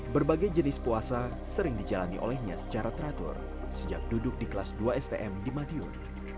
berbagai jenis puasa sering dijalani olehnya secara teratur sejak duduk di kelas dua stm di madiun